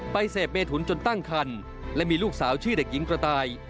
เสพเมถุนจนตั้งคันและมีลูกสาวชื่อเด็กหญิงกระต่าย